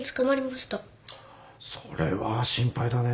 それは心配だね。